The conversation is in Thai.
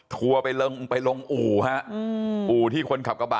ทัวร์ไปลงไปลงอู่ฮะอู่ที่คนขับกระบะ